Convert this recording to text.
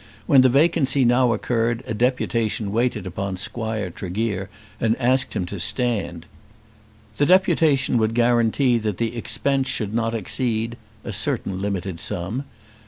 When the vacancy now occurred a deputation waited upon Squire Tregear and asked him to stand. The deputation would guarantee that the expense should not exceed a certain limited sum. Mr.